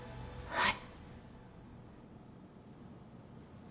はい。